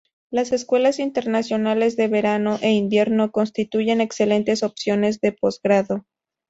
Las Escuelas Internacionales de Verano e Invierno constituyen excelentes opciones de posgrado.